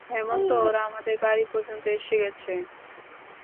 হেমন্ত ওরা আমাদের বাড়ি পর্যন্ত এসে গেছে।